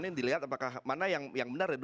yang dilihat apakah mana yang benar